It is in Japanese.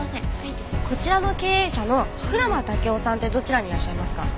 こちらの経営者の蔵間武生さんってどちらにいらっしゃいますか？